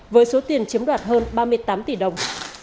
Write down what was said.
với số tiền chiếm đoạt hơn ba mươi tám tỷ đồng